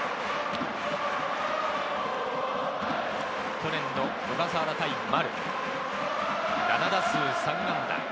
去年の小笠原対丸は７打数３安打。